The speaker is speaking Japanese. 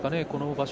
場所